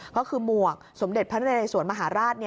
ก็คือหมวกสมเด็จพระนเรสวนมหาราช